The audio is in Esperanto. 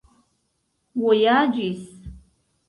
vojaĝis